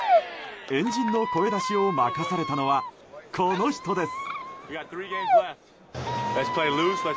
円陣の声出しを任されたのはこの人です。